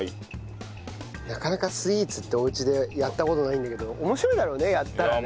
なかなかスイーツっておうちでやった事ないんだけど面白いだろうねやったらね。